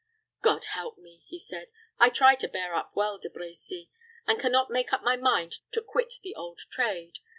"God help me!" he said. "I try to bear up well, De Brecy, and can not make up my mind to quit the old trade.